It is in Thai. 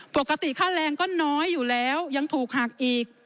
ค่าแรงก็น้อยอยู่แล้วยังถูกหักอีก